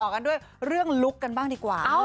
เรามาต่อกันด้วยเรื่องลุคกันบ้างดีกว่า